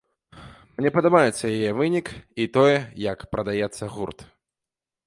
Мне падабаецца і яе вынік, і тое, як прадаецца гурт.